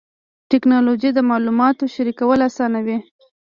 ټکنالوجي د معلوماتو شریکول اسانوي.